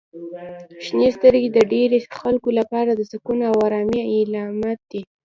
• شنې سترګې د ډیری خلکو لپاره د سکون او آرامۍ علامت دي.